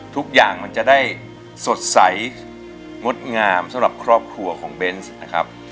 ทุกอย่างมันจะได้สดใสงดงามสำหรับครอบครัวของเบนส์นะครับ